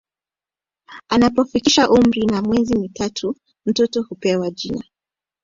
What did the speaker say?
Anapofikisha umri wa miezi mitatu mtoto hupewa jina